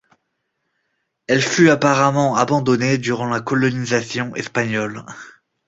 Elle fut apparemment abandonnée durant la colonisation espagnole.